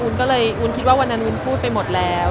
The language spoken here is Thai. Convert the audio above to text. ก็เลยวุ้นคิดว่าวันนั้นวุ้นพูดไปหมดแล้ว